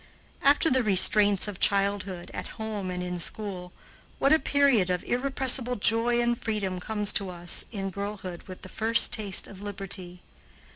After the restraints of childhood at home and in school, what a period of irrepressible joy and freedom comes to us in girlhood with the first taste of liberty.